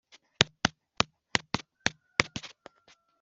Nyiramongi akoresheje Teta aha umugabowe ubutumwa.